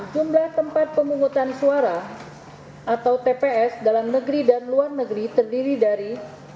jumlah tempat pemungutan suara atau tps dalam negeri dan luar negeri terdiri dari